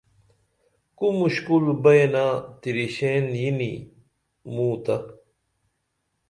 کو مُشکل بیئنہ تِریشین یینی موں تہ